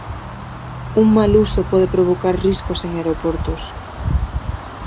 Un mal uso pode provocar riscos en aeroportos.